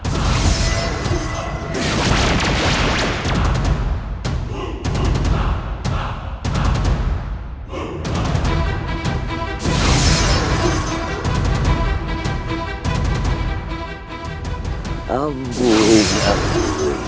selalu ingin berupaya lebih baik depanku